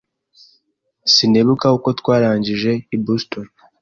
Sinibuka uko twarangije i Boston.